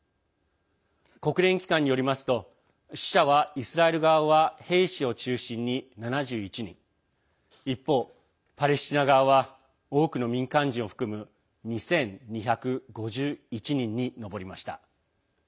国連機関によりますと死者は、イスラエル側は兵士を中心に７１人一方、パレスチナ側は多くの民間人を含む２２５１人に上りました。